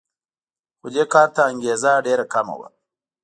خو دې کار ته انګېزه ډېره کمه وه